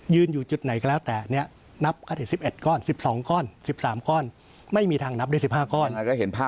ยืนอยู่จุดไหนก็แล้วแต่เนี่ยนับก็ได้สิบเอ็ดก้อนสิบสองก้อนสิบสามก้อนไม่มีทางนับได้สิบห้าก้อน